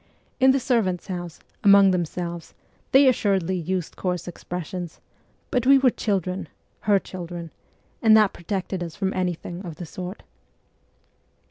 In the servants' house, among themselves, they assuredly used coarse expressions ; but we were children her children and that protected us from anything of the sort.